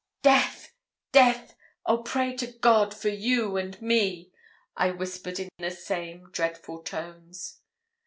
'Death! death! Oh, pray to God for you and me!' I whispered in the same dreadful tones.